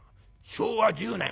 昭和１０年。